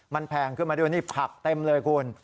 มันแพงขึ้นมาด้วยนี่ผักเต็มเลยคุณ